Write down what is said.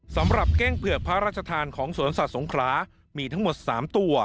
สำหรับเก้งเผือกพรรษฐานของสวนสัตว์สงขลามีทั้งหมด๓ตัว